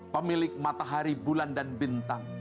pemilik matahari bulan dan bintang